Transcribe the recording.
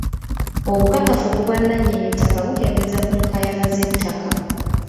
Obukakafu ku bwannanyinittaka bukendeeza ku nkaayana z'ettaka.